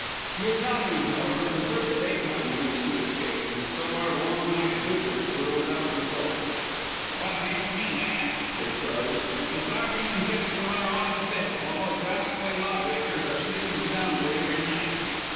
The Italians, however, preferred the daytime in which to escape, and so our long night vigils were without result. "What makes me mad," said Charley, "is our being kept from our honest beds while those rascally lawbreakers are sleeping soundly every night.